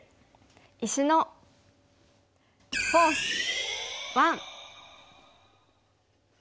「石のフォース１」。